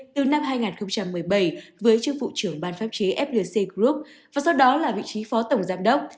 từ năm hai nghìn một mươi bảy với chương phụ trưởng bàn pháp chế flc group và sau đó là vị trí phó tổng giám đốc